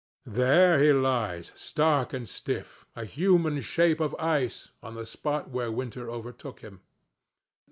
There he lies stark and stiff, a human shape of ice, on the spot where Winter overtook him.